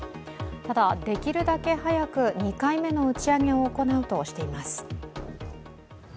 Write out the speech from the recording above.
ただ、できるだけ早く２回目の打ち上げを行うとしています。